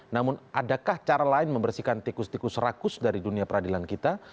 namun adakah cara lain membersihkan tikus tikus rakus dari dunia peradilan kita